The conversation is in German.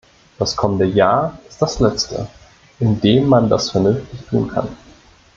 Das kommende Jahr ist das letzte, in dem man das vernünftig tun kann.